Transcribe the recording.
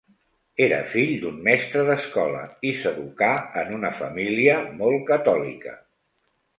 Era fill d'un mestre d'escola i s'educà en una família molt catòlica.